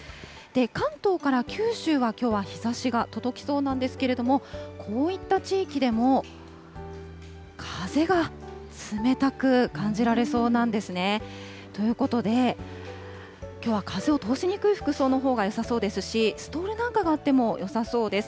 関東から九州は、きょうは日ざしが届きそうなんですけれども、こういった地域でも、風が冷たく感じられそうなんですね。ということで、きょうは風を通しにくい服装のほうがよさそうですし、ストールなんかがあってもよさそうです。